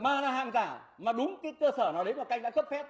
mà là hàng giả mà đúng cái cơ sở nào đấy mà canh đã cấp phép